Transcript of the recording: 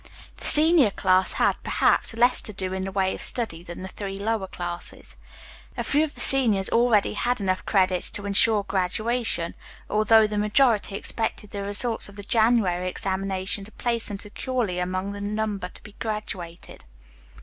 The senior class had, perhaps, less to do in the way of study than the three lower classes. A few of the seniors already had enough credits to insure graduation, although the majority expected the results of the January examinations to place them securely among the number to be graduated.